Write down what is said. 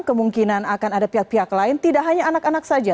kemungkinan akan ada pihak pihak lain tidak hanya anak anak saja